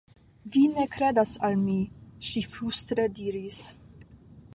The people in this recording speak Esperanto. Vi ne kredas al mi, ŝi flustre diris.